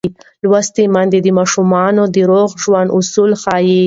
لوستې میندې د ماشومانو د روغ ژوند اصول ښيي.